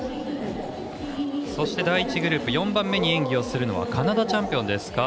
そして、第１グループ４番目に演技をするのはカナダチャンピオンです。